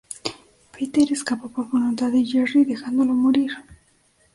Peter escapa por voluntad de Jerry dejándolo morir.